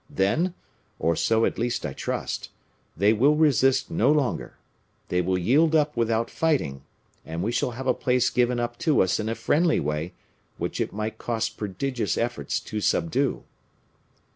Then, or so at least I trust, they will resist no longer. They will yield up without fighting, and we shall have a place given up to us in a friendly way which it might cost prodigious efforts to subdue."